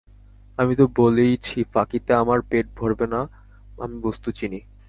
আমি তো বলেইছি, ফাঁকিতে আমার পেট ভরবে না–আমি বস্তু চিনি।